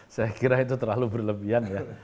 saya kira itu terlalu berlebihan ya